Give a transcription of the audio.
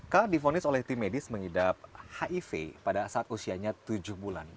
k difonis oleh tim medis mengidap hiv pada saat usianya tujuh bulan